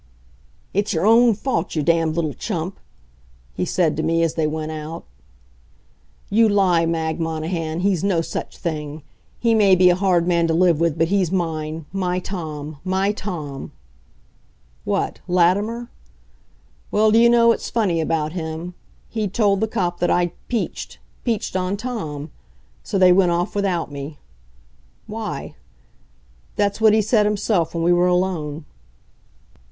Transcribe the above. "It's your own fault, you damned little chump!" he said to me, as they went out. You lie, Mag Monahan, he's no such thing! He may be a hard man to live with, but he's mine my Tom my Tom! What? Latimer? Well, do you know, it's funny about him. He'd told the cop that I'd peached peached on Tom! So they went off without me. Why? That's what he said himself when we were alone.